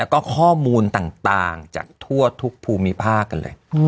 แล้วก็ข้อมูลต่างจากทั่วทุกภูมิภาคกันเลย